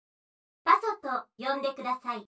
パソとよんでください。